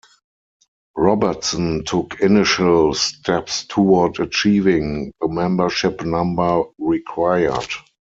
Robertson took initial steps toward achieving the membership number required.